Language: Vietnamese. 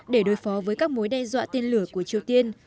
để đối phó với các mối đe dọa tên lửa của triều tiên